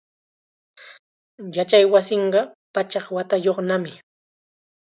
Yachaywasinqa pachak watayuqnami.